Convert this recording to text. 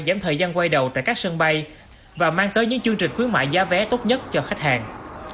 giảm thời gian quay đầu tại các sân bay và mang tới những chương trình khuyến mại giá vé tốt nhất cho khách hàng